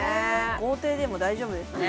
豪邸でも大丈夫ですね